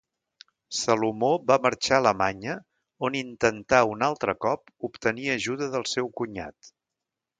Salomó va marxar a Alemanya, on intentà un altre cop obtenir ajuda del seu cunyat.